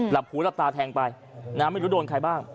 หูหลับตาแทงไปนะไม่รู้โดนใครบ้าง